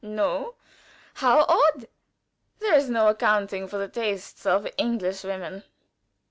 "No? How odd! There is no accounting for the tastes of English women.